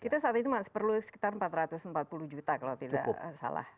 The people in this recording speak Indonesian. kita saat ini masih perlu sekitar empat ratus empat puluh juta kalau tidak salah